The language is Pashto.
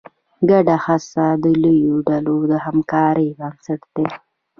ګډه هڅه د لویو ډلو د همکارۍ بنسټ دی.